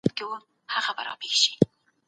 پرون يوه مشر د دوو کسانو ترمنځ عدل وکړ.